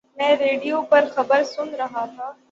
میں ریڈیو پر خبر سن رہا تھا